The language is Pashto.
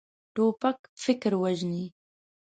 توپک فکر وژني.